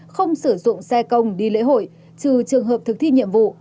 không sử dụng xe công đi lễ hội trừ trường hợp thực thi nhiệm vụ